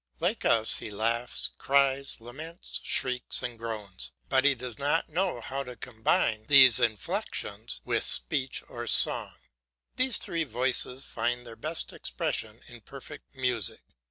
Like us, he laughs, cries, laments, shrieks, and groans, but he does not know how to combine these inflexions with speech or song. These three voices find their best expression in perfect music.